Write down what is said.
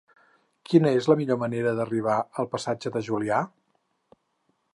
Quina és la millor manera d'arribar al passatge de Julià?